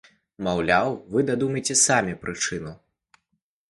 Маўляў, вы дадумайце самі прычыну.